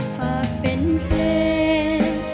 ฝากเป็นเพลง